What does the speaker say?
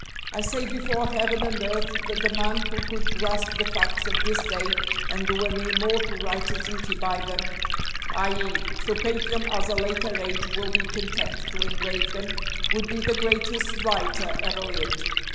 I say before heaven and earth that the man who could grasp the facts of this day and do an immortal writer's duty by them, i.e., so paint them as a later age will be content to engrave them, would be the greatest writer ever lived.